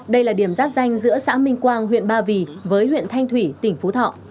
đây là điểm giáp danh giữa xã minh quang huyện ba vì với huyện thanh thủy tỉnh phú thọ